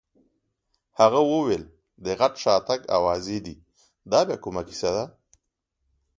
هغه وویل: د غټ شاتګ اوازې دي، دا بیا کومه کیسه ده؟